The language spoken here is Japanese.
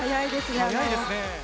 速いですね。